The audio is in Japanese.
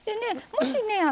もしね